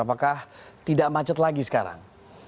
apakah tidak macet lagi sekarang